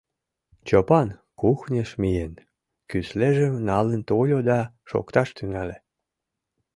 Чопан, кухньыш миен, кӱслежым налын тольо да шокташ тӱҥале.